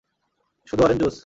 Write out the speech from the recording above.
শুধু orange juice?